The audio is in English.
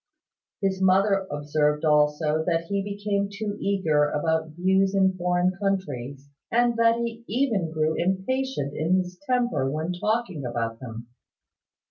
His mother observed also that he became too eager about views in foreign countries, and that he even grew impatient in his temper when talking about them.